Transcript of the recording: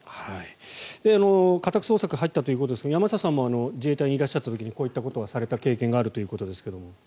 家宅捜索に入ったということですが山下さんも自衛隊にいらっしゃった時にこういったことはされた経験があるということですが。